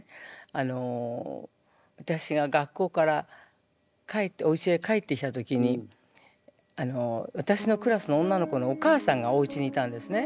あの私が学校からおうちへ帰ってきた時に私のクラスの女の子のお母さんがおうちにいたんですね。